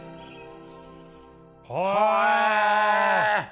へえ。